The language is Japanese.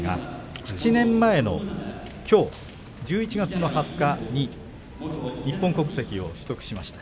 ７年前のきょう、１１月２０日に日本国籍を取得しました。